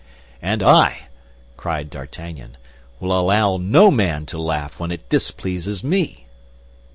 "And I," cried D'Artagnan, "will allow no man to laugh when it displeases me!"